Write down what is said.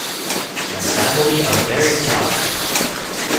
My family are very proud.